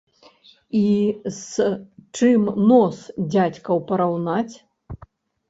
І з чым нос дзядзькаў параўнаць.